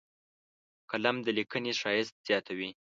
قلم د لیکنې ښایست زیاتوي